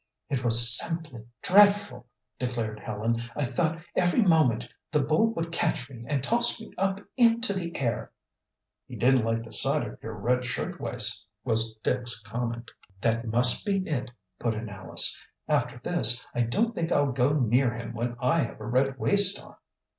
"It was simply dreadful!" declared Helen. "I thought every moment the bull would catch me and toss me up into the air." "He didn't like the sight of your red shirt waists," was Dick's comment. "That must be it," put in Alice. "After this, I don't think I'll go near him when I have a red waist on."